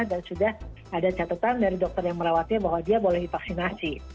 dan sudah ada catetan dari dokter yang merawatnya bahwa dia boleh divaksinasi